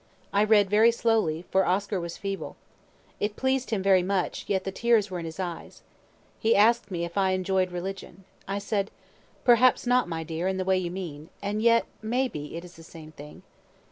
I read very slowly, for Oscar was feeble. It pleased him very much, yet the tears were in his eyes. He ask'd me if I enjoy'd religion. I said, "Perhaps not, my dear, in the way you mean, and yet, may be, it is the same thing."